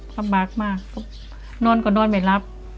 สบากมากนอนก็นอนไม่รับ